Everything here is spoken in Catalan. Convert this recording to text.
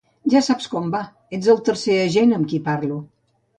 Ja saps com va, ets el tercer agent amb qui parlo.